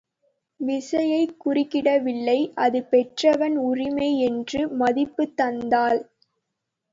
விசயை குறுக்கிடவில்லை அது பெற்றவன் உரிமை என்று மதிப்புத் தந்தாள்.